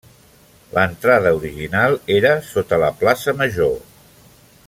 L'entrada original era sota la plaça major.